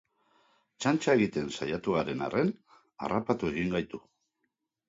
Txantxa egiten saiatu garen arren, harrapatu egin gaitu.